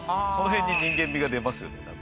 その辺に人間味が出ますよね。